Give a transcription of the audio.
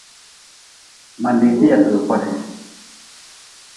Ma diite yatgi kodi.